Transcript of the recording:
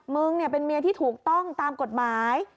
มึงเป็นเมียที่ถูกต้องตามกฎหมาย